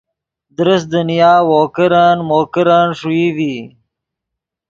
درست دنیا وو کرن مو کرن ݰوئی ڤی